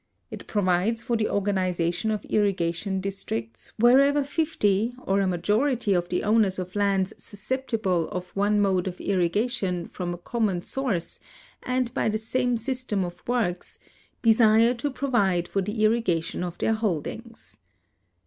It pro vides for the organization of irrigation districts wherever fifty or a majority of the owners of lands susceptible of one mode of irrigation from a common source and by the same system of works desire to provide for the irrigation of their holdings.